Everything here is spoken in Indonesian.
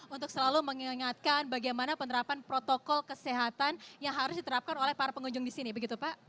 untuk selalu mengingatkan bagaimana penerapan protokol kesehatan yang harus diterapkan oleh para pengunjung di sini begitu pak